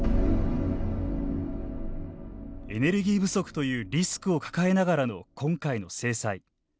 エネルギー不足というリスクを抱えながらの今回の制裁。